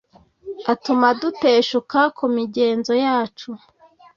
atuma duteshuka ku migenzo yacu